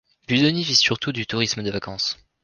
Budoni vit surtout du tourisme de vacances.